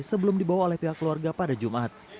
sebelum dibawa oleh pihak keluarga pada jumat